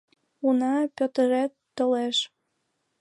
Уна, Пӧтырет толеш.